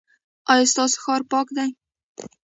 ایا ستاسو ښار پاک دی؟